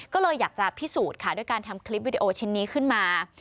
ก็เลยอยากจะพิสูจน์ค่ะด้วยการทำคลิปวิดีโอชิ้นนี้ขึ้นมา